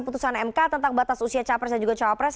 putusan mk tentang batas usia capres dan juga cawapres